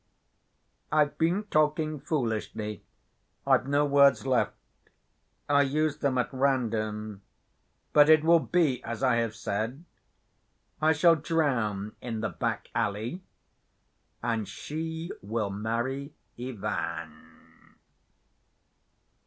I've been talking foolishly. I've no words left. I use them at random, but it will be as I have said. I shall drown in the back‐ alley, and she will marry Ivan."